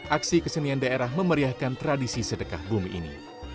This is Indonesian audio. aksi kesenian daerah memeriahkan tradisi sedekah bumi ini